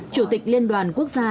chủ tịch liên đoàn quốc gia